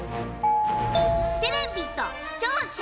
テレビと視聴者。